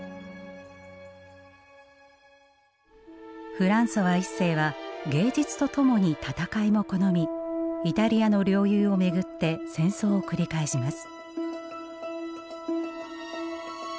フランソワ一世は芸術とともに戦いも好みイタリアの領有を巡って戦争を繰り返します。